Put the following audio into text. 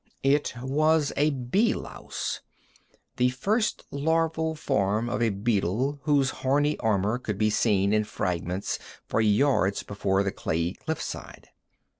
It was a bee louse, the first larval form of a beetle whose horny armor could be seen in fragments for yards before the clayey cliff side.